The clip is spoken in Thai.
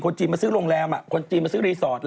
จีนมาซื้อโรงแรมคนจีนมาซื้อรีสอร์ท